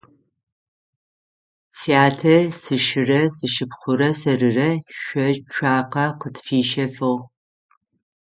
Сятэ сшырэ сшыпхъурэ сэрырэ шъо цуакъэ къытфищэфыгъ.